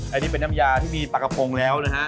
อันนี้เป็นน้ำยาที่มีปลากระพงแล้วนะฮะ